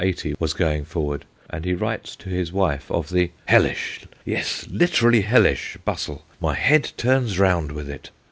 80, was going forward, and he writes to his wife of the ' hellish, yes, literally hellish, bustle. My head turns round with it.